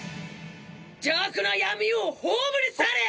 邪悪な闇を葬り去れ！